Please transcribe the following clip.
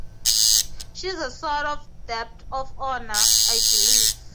She's a sort of debt of honor, I believe.